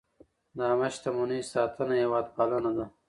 د عامه شتمنیو ساتنه هېوادپالنه ده.